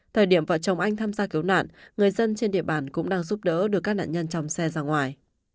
thời điểm vợ chồng anh tham gia cứu nạn người dân trên địa bàn cũng đang giúp đỡ đưa các nạn nhân trong xe ra ngoài